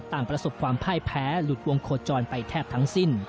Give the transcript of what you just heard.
ประสบความพ่ายแพ้หลุดวงโคจรไปแทบทั้งสิ้น